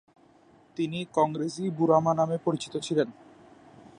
তিনি কংগ্রেসী বুড়ামা নামে পরিচিত ছিলেন।